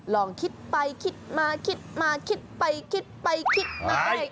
ลองคิดไปคิดมาคิดมาคิดไปคิดไปคิดมา